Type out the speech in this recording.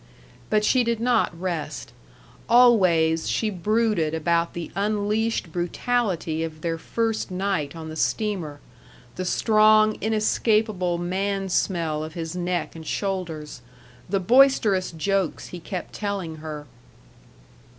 But she did not rest. Always she brooded about the unleashed brutality of their first night on the steamer, the strong, inescapable man smell of his neck and shoulders, the boisterous jokes he kept telling her.